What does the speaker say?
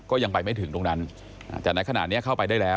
ก็ยังไปไม่ถึงตรงนั้นแต่ในขณะนี้เข้าไปได้แล้ว